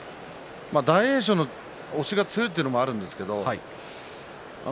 大栄翔の押しが強いということもあるんですけど